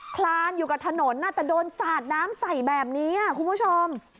คลานอยู่กับถนนแต่โดนสาดน้ำใส่แบบนี้คุณผู้ชม